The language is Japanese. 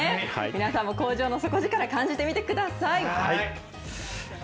皆さんも工場の底力感じてみてください。